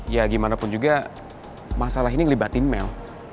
ya gimana pun juga masalah ini ngelibatin mel